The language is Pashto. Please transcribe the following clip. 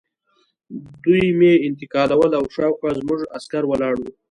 دوی مې انتقالول او شاوخوا زموږ عسکر ولاړ وو